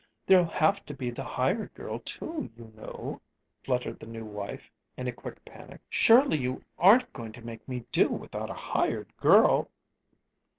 There'll have to be the hired girl, too, you know," fluttered the new wife, in quick panic. "Surely you aren't going to make me do without a hired girl!"